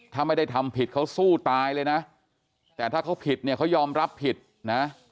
ถ้าไม่ได้ทำผิดเขาสู้ตายเลยนะแต่ถ้าเขาผิดเนี่ยเขายอมรับผิดนะ